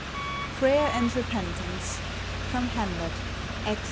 PRAYER AND REPENTANCE. FROM " HAMLET," ACT III.